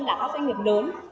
đã có doanh nghiệp lớn